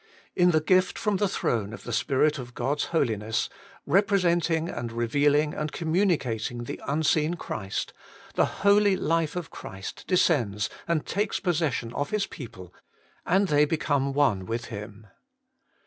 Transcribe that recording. n the gift from the throne of the Spirit of God's Holiness, representing and revealing and commu nicating the unseen Christ, the holy life of Christ descends and takes possession of His people, and they become one with Him.